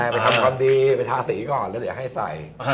ไปทำความดีไปทาสีก่อนให้ใส่